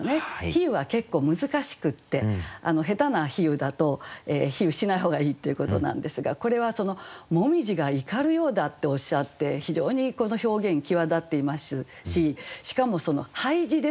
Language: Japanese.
比喩は結構難しくって下手な比喩だと比喩しない方がいいっていうことなんですがこれは「紅葉が怒るようだ」っておっしゃって非常にこの表現際立っていますししかも「廃寺」ですからね